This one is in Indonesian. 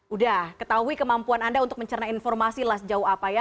udah ketahui kemampuan anda untuk mencerna informasi lah sejauh apa ya